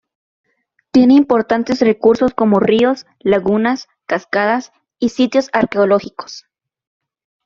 Tiene importantes recursos como: ríos, lagunas, cascadas y sitios arqueológicos.